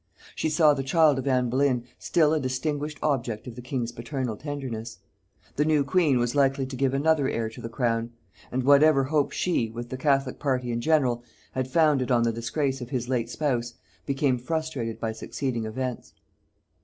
She saw the child of Anne Boleyn still a distinguished object of the king's paternal tenderness; the new queen was likely to give another heir to the crown; and whatever hopes she, with the catholic party in general, had founded on the disgrace of his late spouse, became frustrated by succeeding events.